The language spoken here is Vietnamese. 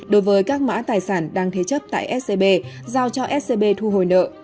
đối với các mã tài sản đang thế chấp tại scb giao cho scb thu hồi nợ